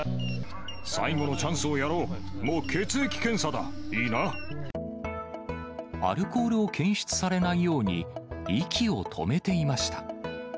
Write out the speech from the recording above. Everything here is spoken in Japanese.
最後のチャンスをやろう、もう血アルコールを検出されないように、息を止めていました。